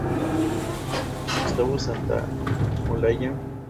Gustavo Santaolalla volvió a componer el tema musical.